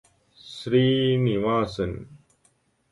Sreenivasan.